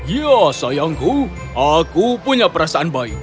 ya sayangku aku punya perasaan baik